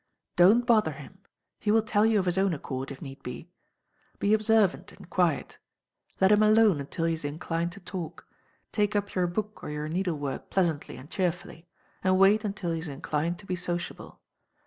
Don't bother him; he will tell you of his own accord, if need be. Be observant and quiet. Let him alone until he is inclined to talk; take up your book or your needlework pleasantly and cheerfully; and wait until he is inclined to be sociable.